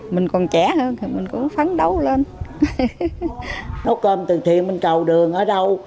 mình còn trẻ hơn thì mình cũng phấn đấu lên nấu cơm từ thiện bên cầu đường ở đâu